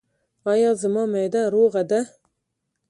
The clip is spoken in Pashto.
ایا زما معده روغه ده؟